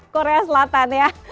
korea selatan ya